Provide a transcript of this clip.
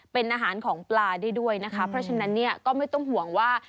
เป็นอาหารของปลาได้ด้วยนะคะเพราะฉะนั้นเนี่ยก็ไม่ต้องห่วงว่า